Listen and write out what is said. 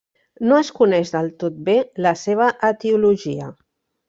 No es coneix del tot bé la seva etiologia.